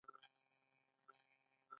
خو بلد لوستونکي په دې ښه پوهېږي.